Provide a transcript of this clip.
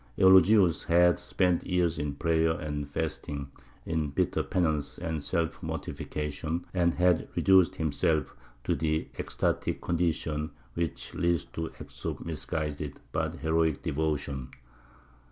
Eulogius had spent years in prayer and fasting, in bitter penance and self mortification, and had reduced himself to the ecstatic condition which leads to acts of misguided but heroic devotion.